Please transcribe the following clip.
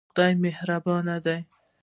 خدای مهربان دی